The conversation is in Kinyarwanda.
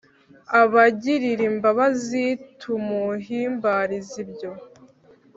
abagirir’imbabazi tumuhimbariz’ibyo